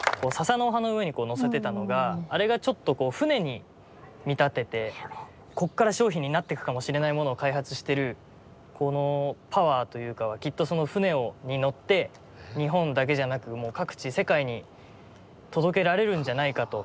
笹の葉の上にのせてたのがあれがちょっと船に見立ててここから商品になってくかもしれないものを開発してるこのパワーというかきっとその船に乗って日本だけじゃなく各地世界に届けられるんじゃないかと。